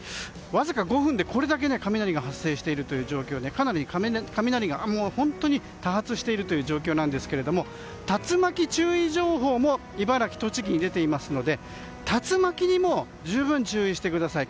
わずか５分でこれだけ雷が発生していてかなり雷が多発しているという状況なんですけども竜巻注意情報も茨城、栃木に出ていますので竜巻にも十分注意してください。